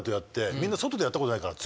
みんな外でやったことないから。